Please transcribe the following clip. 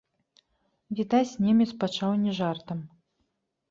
Відаць, немец пачаў не жартам.